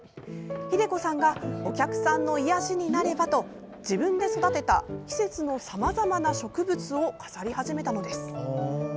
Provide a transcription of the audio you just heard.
偉子さんがお客さんの癒やしになればと自分で育てた季節のさまざまな植物を飾り始めたのです。